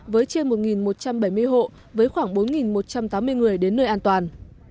với trên một một trăm bảy mươi hộ với khoảng bốn một trăm tám mươi người đến nơi an toàn